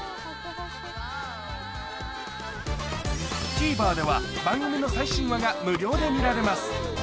ＴＶｅｒでは番組の最新話が無料で見られます